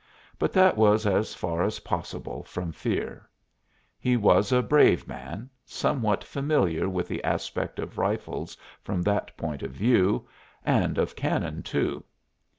But that was as far as possible from fear; he was a brave man, somewhat familiar with the aspect of rifles from that point of view, and of cannon too.